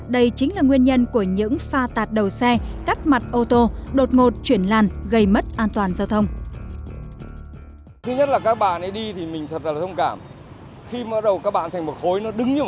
đây chính là nguyên nhân của những pha tạt đầu xe cắt mặt ô tô đột ngột chuyển làn gây mất an toàn giao thông